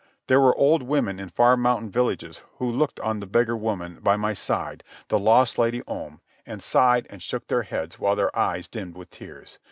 There were old women in far mountain villages who looked on the beggar woman by my side, the lost Lady Om, and sighed and shook their heads while their eyes dimmed with tears.